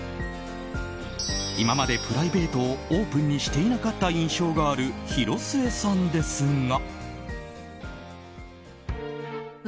今までプライベートをオープンにしていなかった印象がある広末さんですが。